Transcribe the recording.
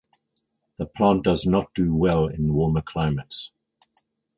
The plant does not do well in warmer climates.